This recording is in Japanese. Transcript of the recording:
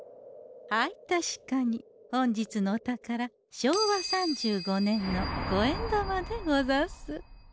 はい確かに本日のお宝昭和３５年の五円玉でござんす。